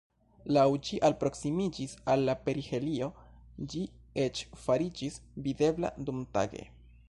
Laŭ ĝi alproksimiĝis al la perihelio ĝi eĉ fariĝis videbla dumtage.